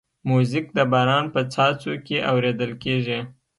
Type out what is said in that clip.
موزیک د باران په څاڅو کې اورېدل کېږي.